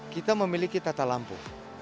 kita memiliki tata lampu